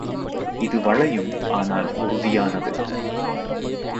இது வளையும் ஆனால் உறுதியானது.